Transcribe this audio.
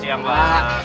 selamat siang pak